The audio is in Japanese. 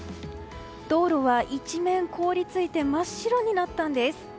道路は一面凍り付いて真っ白になったんです。